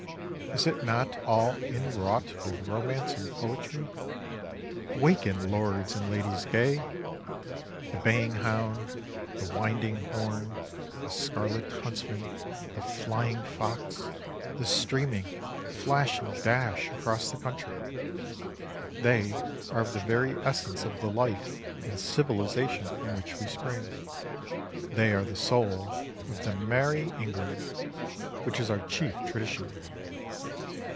Is it not all inwrought with romance and poetry? Waken, lords and ladies gay! The baying hound, the winding horn, the scarlet huntsman, the flying fox, the streaming, flashing dash across the country they are of the very essence of the life and civilization from which we spring. They are the soul of the 'Merrie England' which is our chief tradition.